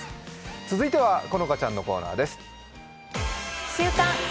続いては好花ちゃんのコーナーです。